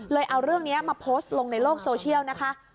เอาเรื่องนี้มาโพสต์ลงในโลกโซเชียลนะคะ